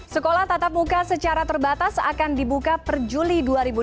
sekolah tatap muka secara terbatas akan dibuka per juli dua ribu dua puluh